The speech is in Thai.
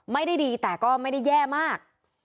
ไม่ได้ดีแต่ก็ไม่ได้แย่มาก